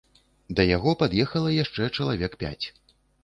Да яго пад'ехала яшчэ чалавек пяць.